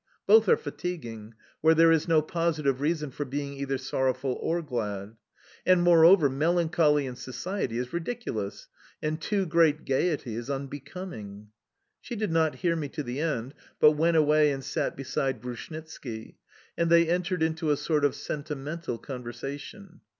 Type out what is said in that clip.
Both are fatiguing, where there is no positive reason for being either sorrowful or glad. And, moreover, melancholy in society is ridiculous, and too great gaiety is unbecoming"... She did not hear me to the end, but went away and sat beside Grushnitski, and they entered into a sort of sentimental conversation.